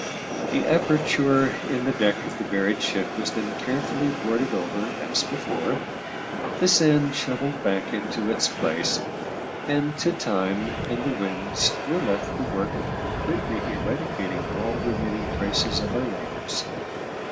The aperture in the deck of the buried ship was then carefully boarded over as before, the sand shovelled back into its place, and to time and the winds were left the work of completely eradicating all remaining traces of our labours.